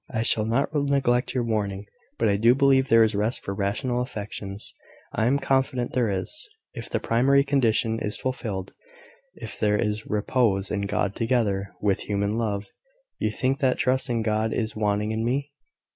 "I shall not neglect your warning; but I do believe there is rest for rational affections I am confident there is, if the primary condition is fulfilled if there is repose in God together with human love." "You think that trust in God is wanting in me?"